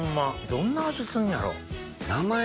どんな味すんねやろ？